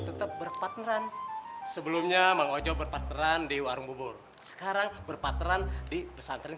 tetep berpateran sebelumnya mang ojo berpateran di warung bubur sekarang berpateran di pesantren